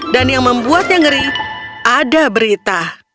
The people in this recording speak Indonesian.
dan yang membuatnya ngeri ada berita